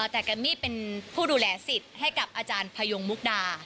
แต่แกรมมี่เป็นผู้ดูแลสิทธิ์ให้กับอาจารย์พยงมุกดา